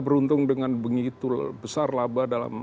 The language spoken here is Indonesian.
beruntung dengan begitu besar laba dalam